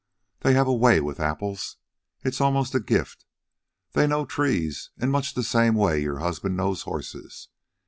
They have a WAY with apples. It's almost a gift. They KNOW trees in much the same way your husband knows horses.